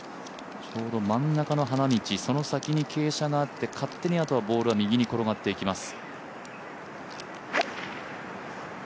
ちょうど真ん中の花道、その先に傾斜があって、勝手にあとはボールが右に転がっていきます。